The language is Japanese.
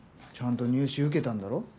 ちゃんと入試受けたんだろ。